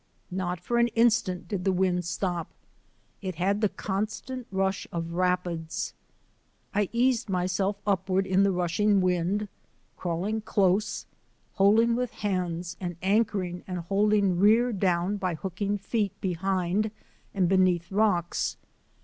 Not for an instant did the wind stop; it had the constant rush of rapids. I eased myself upward in the rushing wind, crawling close, holding with hands, and anchoring and holding rear down by hooking feet behind and beneath rocks.